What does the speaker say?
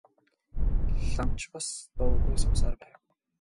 Лам ч бас дуугүй суусаар байв.